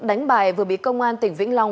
đánh bài vừa bị công an tỉnh vĩnh long